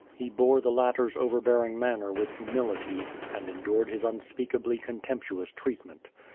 He bore the latter's over bearing manner with humility and endured his unspeakably contemptuous treatment.